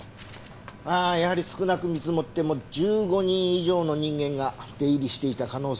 まあやはり少なく見積もっても１５人以上の人間が出入りしていた可能性が高いはずなんだけども。